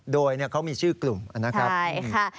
โดยเขามีชื่อกลุ่มนะครับใช่ค่ะ